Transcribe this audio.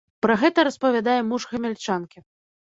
Пра гэта распавядае муж гамяльчанкі.